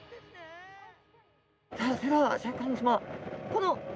さあそれではシャーク香音さまどうぞ。